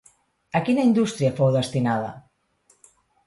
A quina indústria fou destinada?